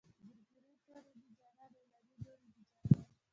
ګورګورې تورې دي جانانه علامې نورې دي جانانه.